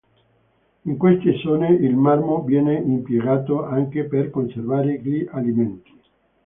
In queste zone il marmo viene impiegato anche per conservare gli alimenti.